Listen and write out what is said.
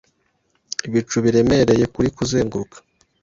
Ibicu biremereye kuri kuzenguruka